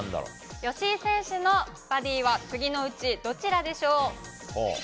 吉井選手のバディは次のうち、どちらでしょう。